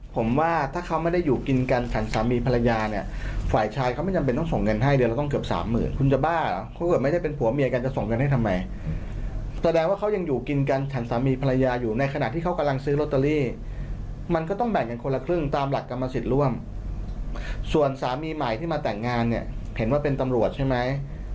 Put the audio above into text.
ถ้าเขาเลิกกันแล้วท่านนี้จะส่งเงินให้ทำไม